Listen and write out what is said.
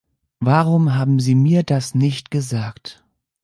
Warum haben Sie mir das nicht gesagt?